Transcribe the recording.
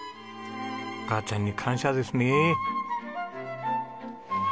お母ちゃんに感謝ですね。